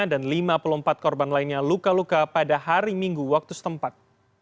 dan lima puluh empat korban lainnya luka luka pada hari minggu waktu setempat